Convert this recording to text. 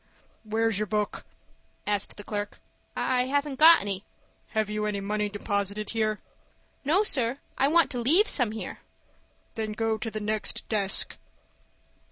"Where's your book?" asked the clerk. "I haven't got any." "Have you any money deposited here?" "No, sir, I want to leave some here." "Then go to the next desk."